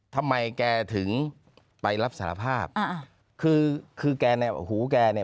ทำไมแกถึงไปรับสารภาพอ่าคือคือแกในหูแกเนี่ย